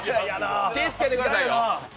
気をつけてくださいよ